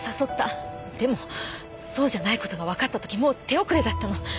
でもそうじゃないことが分かったときもう手遅れだったの。